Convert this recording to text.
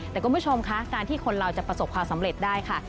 แต่คุณผู้ชมคะการที่คนเราจะประสบความสำเร็จได้ค่ะ